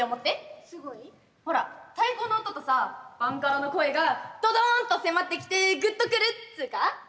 ほら太鼓の音とさバンカラの声がドドンと迫ってきてグッと来るっつうか。